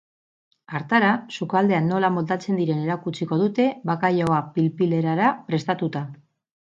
Hartara, sukaldean nola moldatzen diren erakutsiko dute bakailaoa pil-pil erara prestatuta.